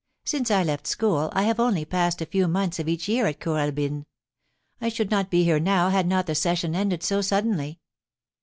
Since I left school, I have only passed a few months of each year at Kooralbyn. I should not be here now had not the session ended so suddenly.'